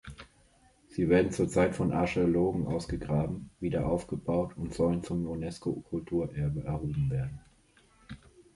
Sie werden zurzeit von Archäologen ausgegraben, wieder aufgebaut und sollen zum Unesco-Kulturerbe erhoben werden.